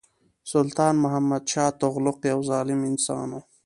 سلطان محمدشاه تغلق یو ظالم انسان وو.